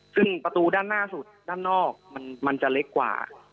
ซึ่งประตูด้านหน้าสุดด้านนอกมันจะเล็กกว่า